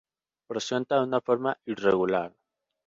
Presenta una forma irregular.